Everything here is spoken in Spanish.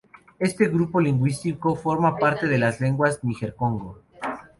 Este grupo lingüístico forma parte de las lenguas níger-congo.